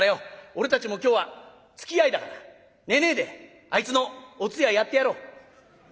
俺たちも今日はつきあいだから寝ねえであいつのお通夜やってやろう」。